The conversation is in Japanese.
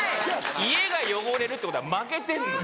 家が汚れるってことは負けてんのよ。